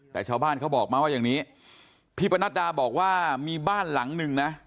แต่ชาวบ้านเขาบอกมาว่าอย่างนี้พี่ปนัดดาบอกว่ามีบ้านหลังหนึ่งนะ